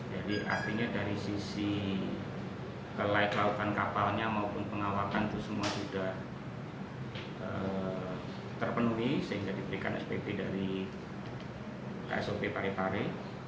jadi artinya dari sisi kelaikan kapalnya maupun pengawakan itu semua sudah terpenuhi sehingga diberikan spb dari ksop pari pari